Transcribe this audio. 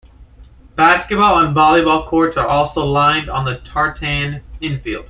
Basketball and volleyball courts are also lined on the tartan infield.